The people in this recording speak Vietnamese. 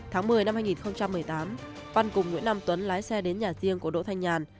tháng một mươi năm hai nghìn một mươi tám văn cùng nguyễn nam tuấn lái xe đến nhà riêng của đỗ thanh nhàn